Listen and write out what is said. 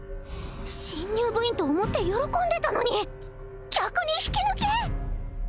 新入部員と思って喜んでたのに逆に引き抜き！？